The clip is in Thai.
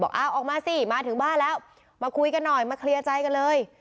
อ้าวออกมาสิมาถึงบ้านแล้วมาคุยกันหน่อยมาเคลียร์ใจกันเลย